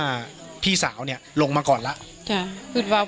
ปกติพี่สาวเราเนี่ยครับเป็นคนเชี่ยวชาญในเส้นทางป่าทางนี้อยู่แล้วหรือเปล่าครับ